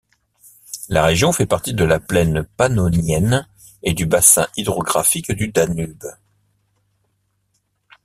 La région fait partie de la plaine pannonienne et du bassin hydrographique du Danube.